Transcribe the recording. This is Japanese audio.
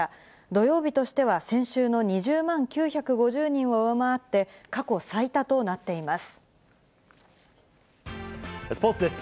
土曜日としては先週の２０万９５０人を上回って、過去最多とスポーツです。